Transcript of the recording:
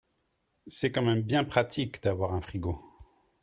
C'est quand même bien pratique d'avoir un frigo.